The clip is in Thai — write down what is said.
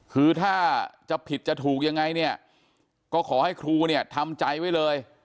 คือถ้าจะผิดจะถูกยังไงเนี่ยก็ขอให้ครูเนี่ยทำใจไว้เลย